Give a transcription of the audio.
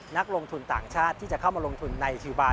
นักลงทุนต่างชาติที่จะเข้ามาลงทุนในคิวบาร์